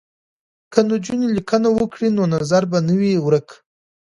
که نجونې لیکنه وکړي نو نظر به نه وي ورک.